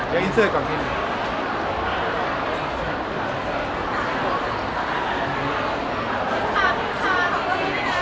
ขอบคุณค่ะขอบคุณค่ะ